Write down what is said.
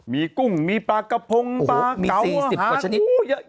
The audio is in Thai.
มีกุ้งมีปลากระพงปลาเก๋าอาหารโอ้โหมี๔๐กว่าชนิด